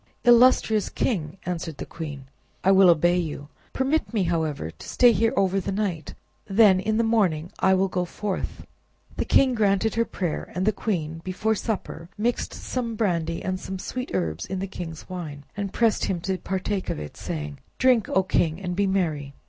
"Illustrious king!" answered the queen, "I will obey you. Permit me, however, to stay here over the night, then in the morning I will go forth." The king granted her prayer; and the queen before supper mixed some brandy and some sweet herbs in the king's wine, and pressed him to partake of it, saying— "Drink, O king, and be merry.